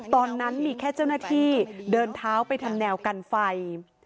ตอนนั้นมีแค่เจ้าหน้าที่เดินเท้าไปทำแนวกันไฟ